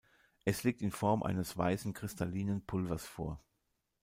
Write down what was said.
Es liegt in Form eines weißen, kristallinen Pulvers vor.